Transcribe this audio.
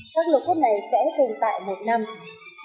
các lô cốt này sẽ tồn tại một năm